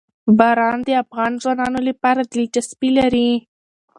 باران د افغان ځوانانو لپاره دلچسپي لري.